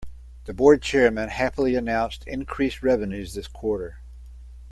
The board chairwoman happily announced increased revenues this quarter.